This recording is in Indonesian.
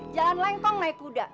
jalan lengkong naik kuda